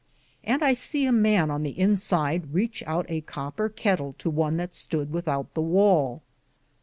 And I se a man on the inside reatche oute a coper kettell to one that stood with oute the wale.